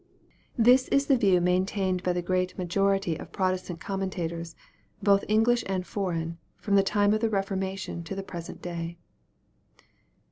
This is the view maintained by the great majority of Protestant commentators, both English azid foreign, from the time of the Reformation to the present day.